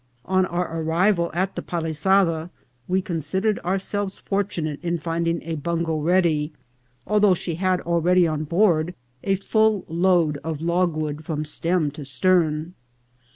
On our arrival at the Palisada we considered our selves fortunate in finding a bungo ready, although she had already on board a full load of logwood from stem to stern.